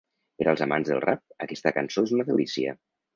Per als amants del rap, aquesta cançó és una delícia.